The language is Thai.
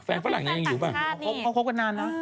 แฟนฝรั่งนี้ยังอยู่หรือเปล่าเขาคบกันนานนะ